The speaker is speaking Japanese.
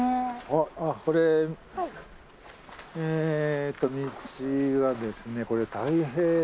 あっあっこれえっと道はですね